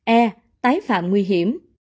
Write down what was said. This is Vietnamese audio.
e tái phạm nguy hiểm